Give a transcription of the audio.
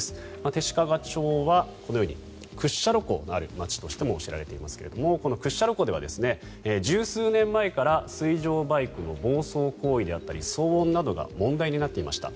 弟子屈町は屈斜路湖のある町としても知られていますが屈斜路湖では１０数年前から水上バイクの暴走行為や騒音などが問題になっていました。